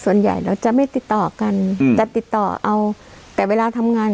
ส่วนใหญ่เราจะไม่ติดต่อกันจะติดต่อเอาแต่เวลาทำงาน